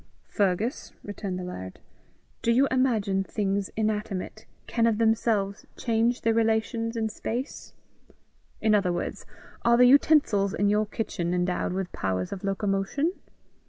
"Fergus," returned the laird, "do you imagine things inanimate can of themselves change their relations in space? In other words, are the utensils in your kitchen endowed with powers of locomotion?